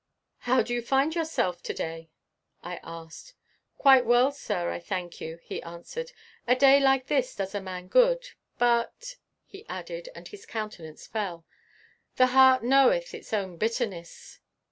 "How do you find yourself to day?" I asked. "Quite well, sir, I thank you," he answered. "A day like this does a man good. But," he added, and his countenance fell, "the heart knoweth its own bitterness."